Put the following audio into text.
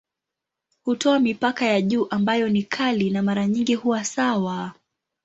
Hutoa mipaka ya juu ambayo ni kali na mara nyingi huwa sawa.